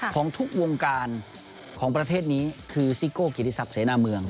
ของทุกวงการของประเทศนี้คือซิโก้เกียรติศักดิเสนาเมือง